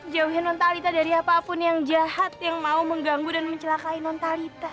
jauhin mentalitas dari apapun yang jahat yang mau anggup dan mencelakai mentalitas